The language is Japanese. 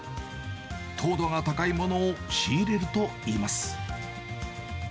糖度が高いものを仕入れるといいます。